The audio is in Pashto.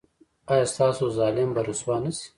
ایا ستاسو ظالم به رسوا نه شي؟